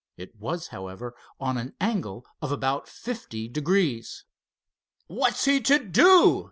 It was, however, on an angle of about fifty degrees. "What's he to do?"